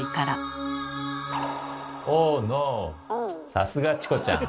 さすがチコちゃん。